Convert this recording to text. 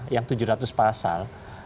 yang tujuh ratus pasal